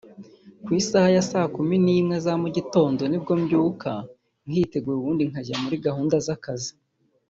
Ku isaha ya saa kumi n’imwe za mugitondo nibwo mbyuka nkitegura ubundi nkajya muri gahunda z’akazi